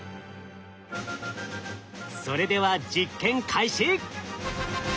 それでは実験開始！